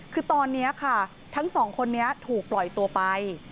คือตอนนี้ค่ะทั้งสองคนนี้ถูกปล่อยตัวไป